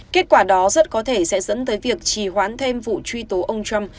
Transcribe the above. kết quả đó rất có thể sẽ dẫn tới việc trì hoãn thêm vụ truy tố ông trump